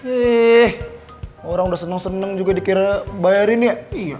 ih orang udah seneng seneng juga dikira bayarin ya